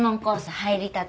入りたて。